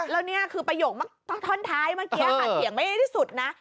แล้วนี่คือประโยคท่อนท้ายเมื่อกี้ค่ะเสียงไม่ได้ที่สุดนะ